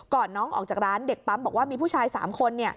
น้องออกจากร้านเด็กปั๊มบอกว่ามีผู้ชาย๓คน